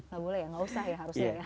gak boleh ya gak usah ya harusnya ya